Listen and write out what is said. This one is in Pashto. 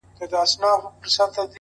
وخت سره زر دي او ته باید زرګر اوسي.